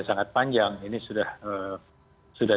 sangat panjang ini sudah